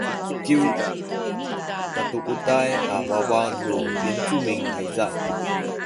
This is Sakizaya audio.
kyu katuuday a wawa nu yincumin ayza